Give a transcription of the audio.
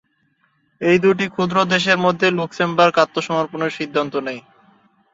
এই দুটি ক্ষুদ্র দেশের মধ্যে লুক্সেমবার্গ আত্মসমর্পণের সিদ্ধান্ত নেয়।